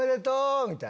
みたいな。